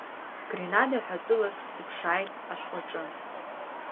Гренада ҳәа тәылак сыԥшааит ашәҟәаҿы.